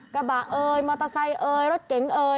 กระบะเมอร์ทรายรถเก๋ง